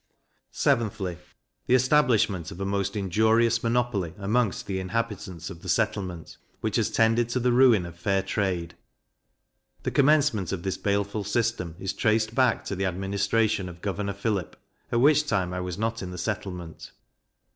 7thly, The establishment of a most injurious monopoly amongst the inhabitants of the settlement, which has tended to the ruin of fair trade. The commencement of this baleful system is traced back to the administration of Governor Phillip, at which time I was not in the settlement.